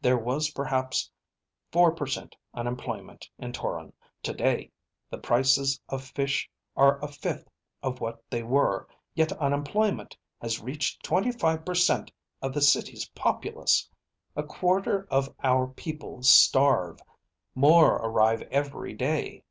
There was perhaps four per cent unemployment in Toron. Today the prices of fish are a fifth of what they were, yet unemployment has reached twenty five per cent of the city's populace. A quarter of our people starve. More arrive every day.